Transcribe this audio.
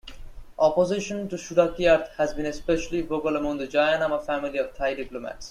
Opposition to Surakiart has been especially vocal among the Jayanama family of Thai diplomats.